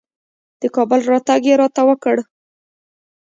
د کابل راتګ یې راته وکړ.